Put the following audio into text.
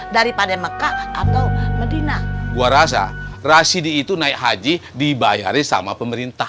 daripada mekah atau medina gua rasa rashidi itu naik haji dibayarin sama pemerintah